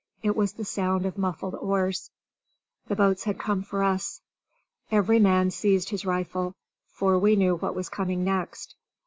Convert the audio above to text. It was the sound of muffled oars. The boats had come for us. Every man seized his rifle, for we knew what was coming next.